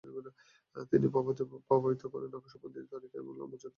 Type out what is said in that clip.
তিনি প্রভাবিত করতেন নকশবন্দি তরিকা এবং মোজ্জাদ্দেদই উপর।